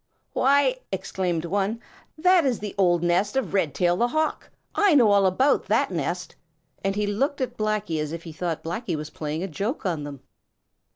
"Why," exclaimed one, "that is the old nest of Redtail the Hawk. I know all about that nest." And he looked at Blacky as if he thought Blacky was playing a joke on them.